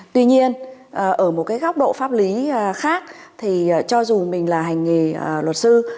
tuy nhiên ở một cái góc độ pháp lý khác thì cho dù mình là hành nghề luật sư